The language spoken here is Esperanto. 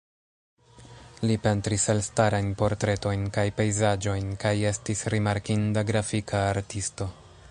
Li pentris elstarajn portretojn kaj pejzaĝojn kaj estis rimarkinda grafika artisto.